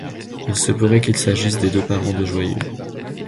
Il se pourrait qu'il s'agisse des deux parents de Joyeux.